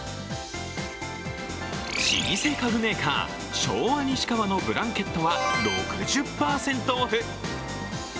老舗家具メーカー・昭和西川のブランケットは６０％オフ。